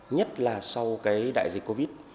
nhất là sau cái đại dịch covid